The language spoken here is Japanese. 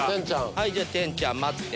はいじゃあテンちゃん待って。